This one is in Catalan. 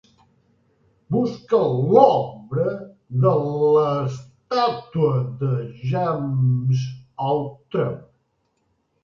Busca l'obra de l'estàtua de James Outram.